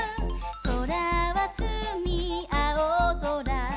「そらはすみあおぞら」